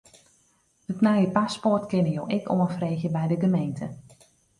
It nije paspoart kinne jo ek oanfreegje by de gemeente.